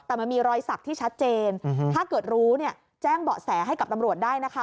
แต่มันมีรอยสักที่ชัดเจนถ้าเกิดรู้เนี่ยแจ้งเบาะแสให้กับตำรวจได้นะคะ